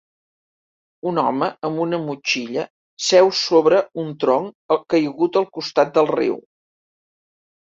Un home amb una motxilla seu sobre un tronc caigut al costat del riu.